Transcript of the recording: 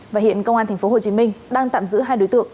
và hiện công an tp hcm đang tạm giữ hai đối tượng